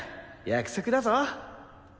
約束だぞ！